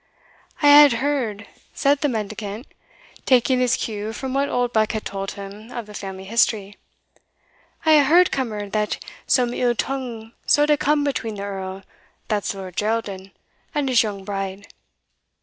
"I hae heard," said the mendicant, taking his cue from what Oldbuck had told him of the family history "I hae heard, cummer, that some ill tongue suld hae come between the Earl, that's Lord Geraldin, and his young bride."